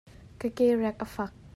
Ka ke rek a fak.